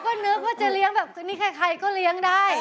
ก็นึกว่าจะเรียกเท่านี้ใครก็เรียกได้